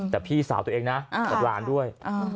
แต่พี่สาวตัวเองนะกับหลานด้วย